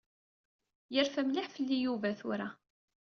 Yerfa mliḥ fell-i Yuba tura.